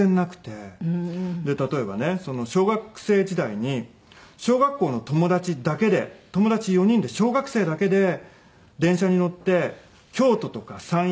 例えばね小学生時代に小学校の友達だけで友達４人で小学生だけで電車に乗って京都とか山陰に２泊で旅行に行きたいって。